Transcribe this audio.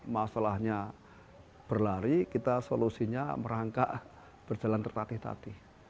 masalahnya berlari kita solusinya merangkak berjalan tertatih tatih